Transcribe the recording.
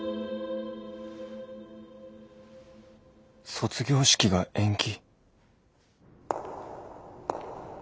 卒業式が延期。